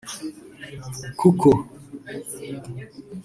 kuko